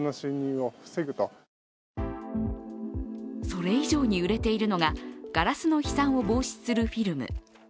それ以上に売れているのが、ガラスの飛散を防止するフィルム。